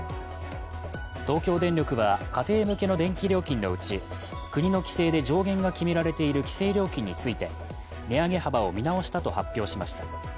東京電力は、家庭向けの電気料金のうち国の規制で上限が決められている規制料金について値上げ幅を見直したと発表しました。